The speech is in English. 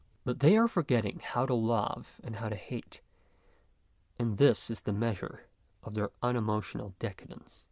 But they are forgetting how to love and how to hate, and this is the measure of their unemotional decadence.